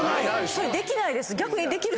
それできないです。